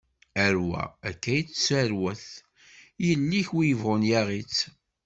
Rrwa akka i yettarwat, yelli-k wi bɣun yaɣ-itt.